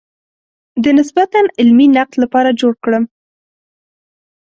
د نسبتاً علمي نقد لپاره جوړ کړم.